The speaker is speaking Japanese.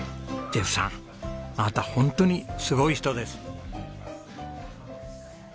ジェフさんあなたホントにすごい人です。